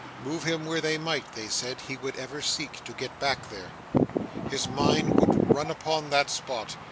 Move him where they might, they said, he would ever seek to get back there. His mind would run upon that spot.